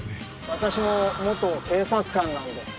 私も元警察官なんです。